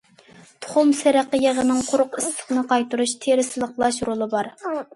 تۇخۇم سېرىقى يېغىنىڭ قۇرۇق ئىسسىقنى قايتۇرۇش، تېرە سىلىقلاش رولى بار.